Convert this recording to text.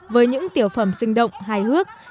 với những tiểu phẩm sinh động hài hước